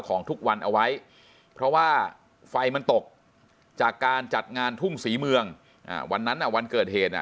ของทุกวันเอาไว้เพราะว่าไฟมันตกจากการจัดงานทุ่งศรีเมืองวันนั้นวันเกิดเหตุอ่ะ